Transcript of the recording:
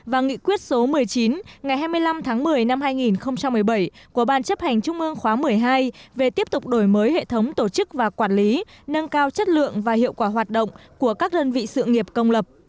và nghị quyết số một mươi chín ngày hai mươi năm tháng một mươi năm hai nghìn một mươi bảy của ban chấp hành trung ương khóa một mươi hai về tiếp tục đổi mới hệ thống tổ chức và quản lý nâng cao chất lượng và hiệu quả hoạt động của các đơn vị sự nghiệp công lập